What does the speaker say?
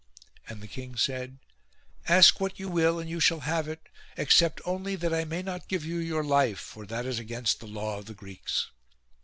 And the king said : "Ask what you will, and you shall have it : except only that I may not give you your life, for that is against the law of the Greeks."